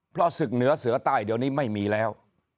เพราะศึกเหนือเสือใต้เดี๋ยวนี้ไม่มีแล้ว